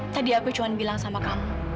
tadi aku cuma bilang sama kamu